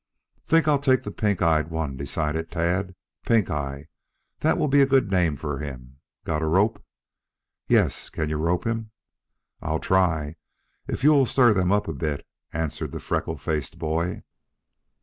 "Think I'll take the pink eyed one," decided Tad. "Pink eye. That will be a good name for him. Got a rope?" "Yes, kin you rope him?" "I'll try if you will stir them up a bit," answered the freckle faced boy.